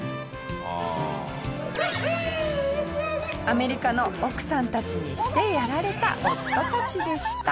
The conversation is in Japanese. アメリカの奥さんたちにしてやられた夫たちでした。